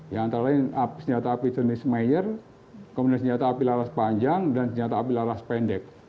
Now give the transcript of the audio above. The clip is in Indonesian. ya antara lain senjata api jenis mayer kemudian senjata api laras panjang dan senjata api laras pendek